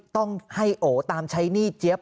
ต้องให้โอตามใช้หนี้เจี๊ยบ